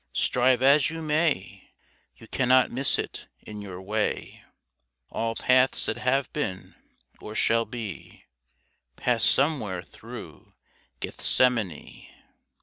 Strive as you may, You cannot miss it in your way; All paths that have been, or shall be, Pass somewhere through Gethsemane.